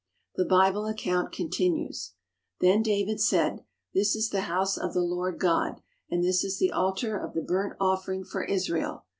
The Bible account continues: "Then David said, This is the house of the Lord God and this is the altar of the burnt offering for Israel."